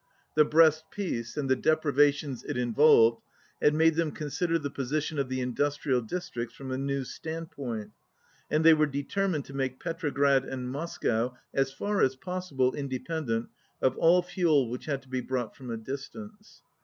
The Brest peace and the deprivations it in volved had made them consider the position of the industrial districts from a new standpoint, and they were determined to make Petrograd and Moscow as far as possible independent of all fuel which had to be brought from a distance.